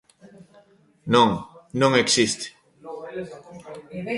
Non, non existe.